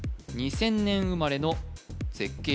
２０００年生まれの絶景